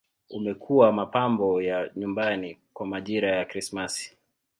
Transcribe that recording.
Umekuwa mapambo ya nyumbani kwa majira ya Krismasi.